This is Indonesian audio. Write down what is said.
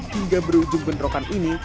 hingga berujung penderokan ini